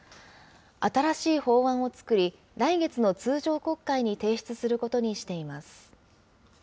新しい法案を作り、来月の通常国会に提出することにしています。